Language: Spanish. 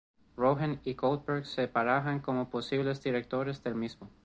Rogen y Goldberg se barajan como posibles directores del mismo.